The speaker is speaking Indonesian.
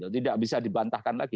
tidak bisa dibantahkan lagi